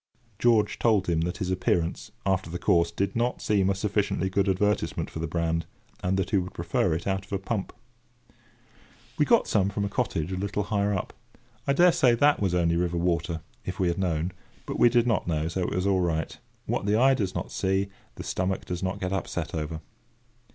George told him that his appearance, after the course, did not seem a sufficiently good advertisement for the brand; and that he would prefer it out of a pump. We got some from a cottage a little higher up. I daresay that was only river water, if we had known. But we did not know, so it was all right. What the eye does not see, the stomach does not get upset over.